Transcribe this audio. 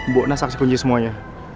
bona saksi kunci semuanya